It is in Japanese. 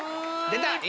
出た！